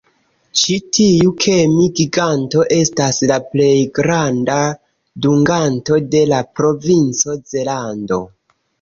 Ĉi tiu kemi-giganto estas la plej granda dunganto de la provinco Zelando.